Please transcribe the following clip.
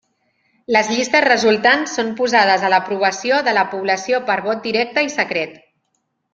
Les llistes resultants són posades a l'aprovació de la població per vot directe i secret.